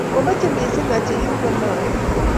komeche mising achikil ng'wenoni